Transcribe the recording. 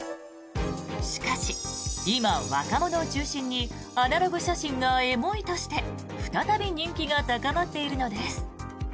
しかし、今、若者を中心にアナログ写真がエモいとして再び人気が高まっているのです。